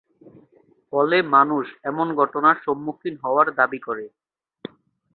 ফলে মানুষ এমন ঘটনার সম্মুখীন হওয়ার দাবি করে।